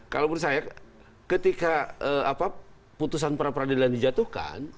kalau menurut saya ketika putusan pra peradilan dijatuhkan